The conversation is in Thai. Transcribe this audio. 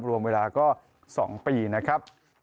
รวมเวลาก็๒ปีนะครับ